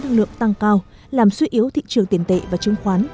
năng lượng tăng cao làm suy yếu thị trường tiền tệ và chứng khoán